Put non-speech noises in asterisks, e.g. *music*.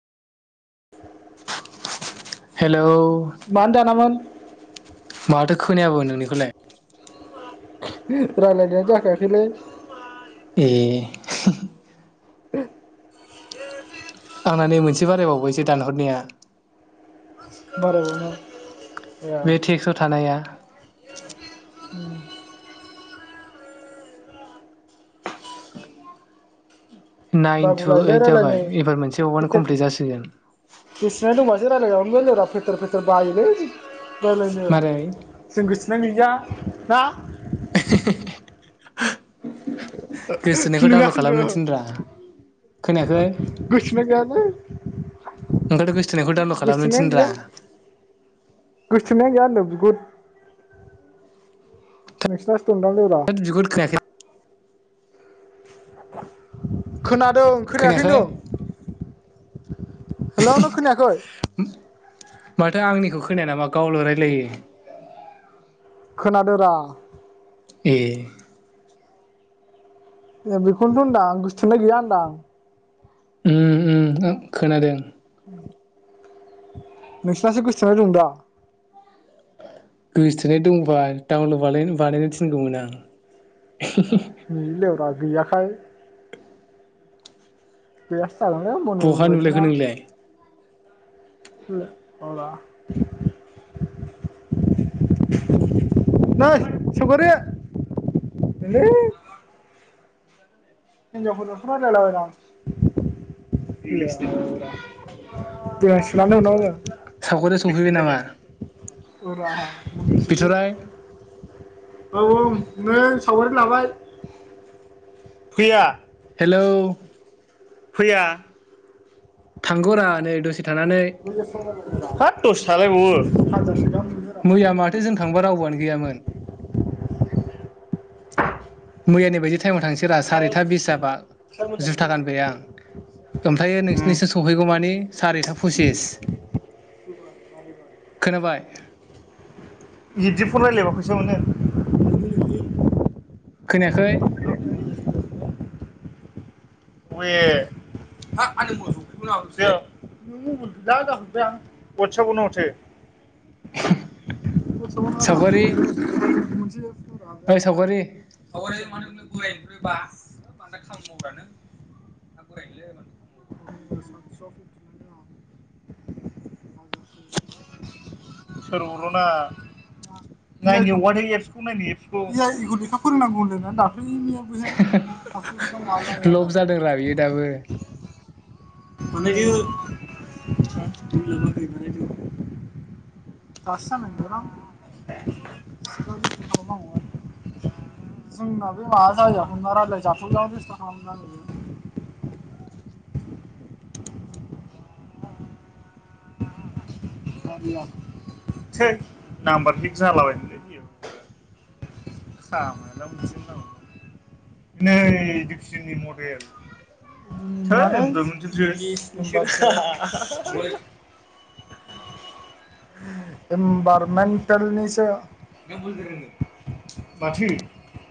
Hello मानो दानामोन? माथो खोनायाबो नोंनिखौलाय? रायलायनाइयानो जाखायाखैलै! ए! आंना नै मोनसे बारायबावबायसो दानहरनाया । बारा नोंथां। बे टेक्सआव थानाया! नाइन टु बागुलायोलै ओइट रायलायनो जाबाय एबार मोनसे बावबानो फेथेर कमप्लिट जासिगोन। *unintelligible* रायज्लायनो जों गोजोननाय मारै गैया। दा। *unintelligible* गोसोथोनायखौ नङा डाउनलड खालामनो होनदों थिनब्रा खोनायाखै गोसोथोनाय गैयालै। ओंखायनथ' गोसोथोनायखौ डाउनलड खालामनो थिन गोसोनायानो ब्रा। गैया गुद *unintelligible* होद बिगुद खोनायाखै खोना ओं खोनायाखै होनदों हेल' नों खोनायाखै? माथो आंनिखौ खोनाया नामा गावल' रायलायो। खोनादो रा। ए ए बेखौनोथ' होनदां गोसोथोनाय गैया होनदां। ओम ओम खोनादों। नोंसिनासो गोसोथोनाय दं दा। गोसोथोनाय दंबा डाउनलड बानायनो बानायनो थिनगौमोन आं। नै लेवरा गैयाखाय। *unintelligible* *inaudible* मनिमोन बहा नुलायखो बादिना। नोंलाय नै सावगारि हिनजावफोरजोंसो रायलायलाबायदां *unintelligible* इंलिसनि रायलायनाय सावगारिया सफैबाय नामा औ रा मुगै सुगै बिथराय औ औ नों सावगारि लाबाय। फैया। हेलौ। फैया। थांगौ रा नै दसे। थानानै हो। दसे थालायबावो। हाजारसे गाहाम मोनोरा मैया माथो जों थांबा रावबोआनो गैयामोनल मैयानि बायदि। टाइमाव थांसैरा सारिथा बिस जाबा जुथा गानबाय आं ओमफ्रायायो उम नोंसोरनिसिम सहैगौ मानि सारिथा फसिस खोनाबाय। बिबदि फन रायलायबा फैसा मोनो। खोनायाखै। *unintelligible* *inaudible* *inaudible* *inaudible* सावगारि ओइ सावगारि खबर माने। *unintelligible* *unintelligible* *unintelligible* लब जादोंरा बियो दाबो अने बे। *inaudible* दासो जानां *unintelligible* *unintelligible* इनभारमेन्टेलनिसो बाथो